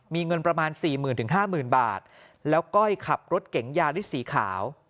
มีเงินประมาณ๔๐๐๐๐๕๐๐๐๐บาทแล้วก้อยขับรถเก๋งยาฤทธิ์สีขาว